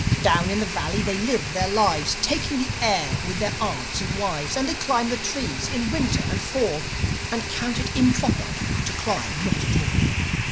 Down in the valley they live their lives, Taking the air with their aunts and wives. And they climb the trees in the Winter and Fall, And count it improper to climb not at all.